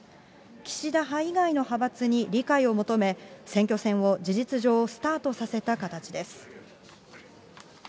岸田派以外の派閥に理解を求め、選挙戦を事実上、スタートさせた形です。